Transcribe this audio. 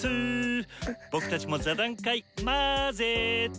僕たちも座談会まぜて！